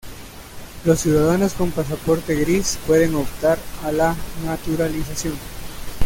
Los ciudadanos con pasaporte gris pueden optar a la naturalización.